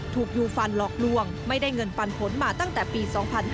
ถูกยูฟันหลอกลวงไม่ได้เงินปันผลมาตั้งแต่ปี๒๕๕๙